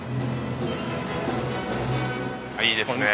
いいですね。